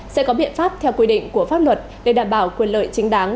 sẽ có biện pháp theo quy định của pháp luật để đảm bảo quyền lợi chính đáng